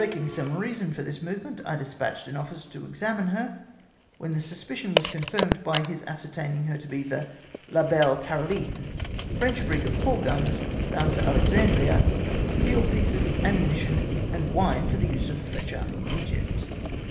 ing some reason for tliis movement, I despatclied an officer to examine her, when the suspicion was con firmed by his ascertaining her to be La Belle Caroliney French brig of four guns, bound for Alexandria with field pieces, ammunition, and wine for the use of the French army in Egypt.